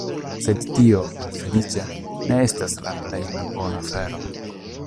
Sed tio, malfeliĉe, ne estas la plej malbona afero.